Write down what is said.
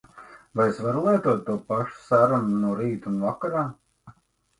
Vai es varu lietot to pašu serumu no rīta un vakarā?